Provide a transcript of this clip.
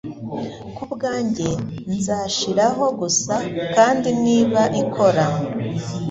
Ku bwanjye nzashiraho gusa, kandi niba ikora,